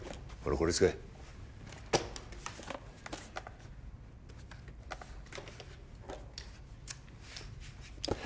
これ使えあ